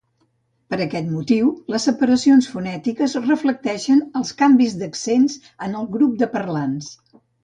Per aquest motiu, les separacions fonètiques reflecteixen els canvis d'accents en el grup de parlants.